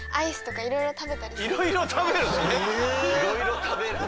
いろいろ食べるの？